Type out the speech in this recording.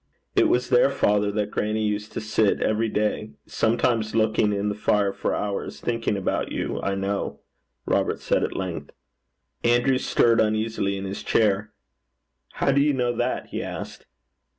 'It was there, father, that grannie used to sit, every day, sometimes looking in the fire for hours, thinking about you, I know,' Robert said at length. Andrew stirred uneasily in his chair. 'How do you know that?' he asked.